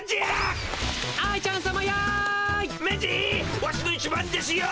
ワシの一番弟子よ。